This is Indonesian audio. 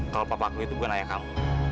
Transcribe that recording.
kalau papa aku itu bukan ayah kamu